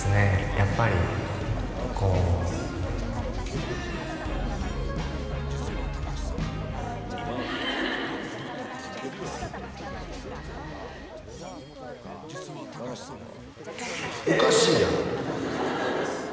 やっぱりこうおかしいやんええ！